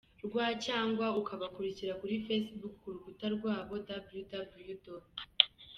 rw cyangwa ukabakurikira kuri facebook ku rukuta rwabo www.